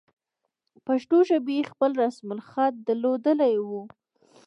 پښتو ژبې خپل رسم الخط درلودلی وو.